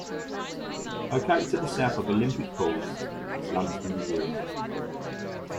Located to the south of the Olympic Pools is Lumsden Green.